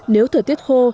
nếu thời tiết khô